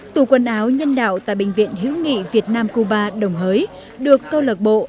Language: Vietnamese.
tủ quần áo nhân đạo tại bệnh viện hữu nghị việt nam cuba đồng hới được câu lạc bộ